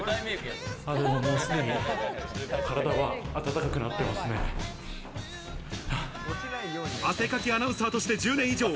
もうすでに体は温かくなって汗かきアナウンサーとして１０年以上。